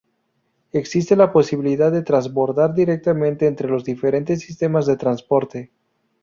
Existe la posibilidad de transbordar directamente entre los diferentes sistemas de transporte.